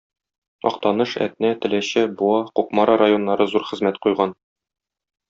Актаныш, Әтнә, Теләче, Буа, Кукмара районнары зур хезмәт куйган.